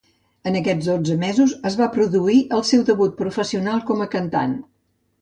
En aquests dotze mesos es va produir el seu debut professional com a cantant.